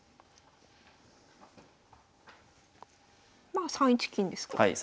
まあ３一金ですね。